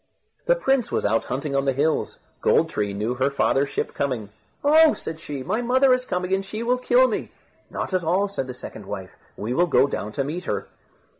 The prince was out hunting on the hills. Gold tree knew her father's ship coming. "Oh!" said she, "my mother is coming, and she will kill me." "Not at all," said the second wife; "we will go down to meet her."